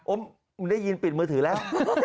มึงได้ยินปิดมือถือแล้ว